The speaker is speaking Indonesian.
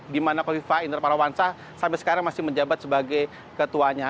di mana kofifah inderparawansa sampai sekarang masih menjabat sebagai ketuanya